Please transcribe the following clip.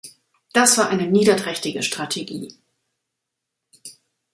Das war eine niederträchtige Strategie.